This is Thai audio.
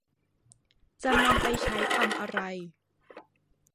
จะนำไปใช้ทำอะไร